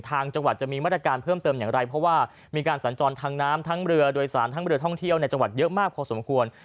จังหวัดจะมีมาตรการเพิ่มเติมอย่างไรเพราะว่ามีการสัญจรทางน้ำทั้งเรือโดยสารทั้งเรือท่องเที่ยวในจังหวัดเยอะมากพอสมควร